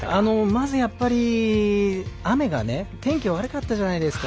まず、やっぱり天気が悪かったじゃないですか。